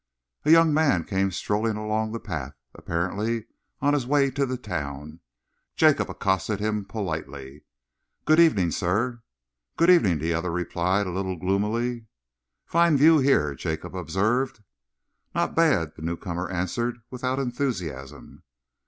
A young man came strolling along the path, apparently on his way to the town. Jacob accosted him politely. "Good evening, sir." "Good evening," the other replied, a little gloomily. "Fine view here," Jacob observed. "Not bad," the newcomer answered, without enthusiasm.